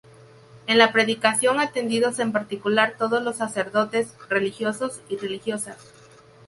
En la predicación atendidos en particular todos los sacerdotes, religiosos y religiosas.